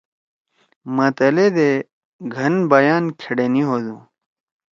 متل ئے دے گھن بیان کھیڑینی ہودُو۔